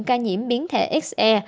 ca nhiễm biến thể xe